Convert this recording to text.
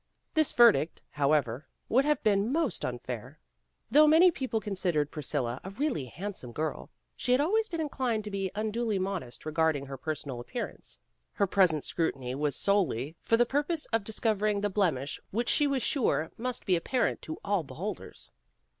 This verdict, however, would have been most unfair. Though many people considered Priscilla a really handsome girl, she had always been inclined to be un duly modest regarding her personal appear ance. Her present scrutiny was solely for the purpose of discovering the blemish which she was sure must be apparent to all beholders.